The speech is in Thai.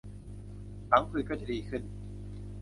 พังผืดก็จะดีขึ้น